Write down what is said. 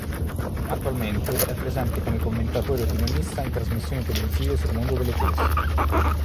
Attualmente è presente come commentatore e opinionista in trasmissioni televisive sul mondo delle corse.